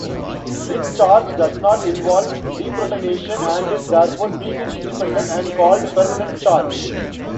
This charge does not involve deprotonation and is therefore pH-independent, and called permanent charge.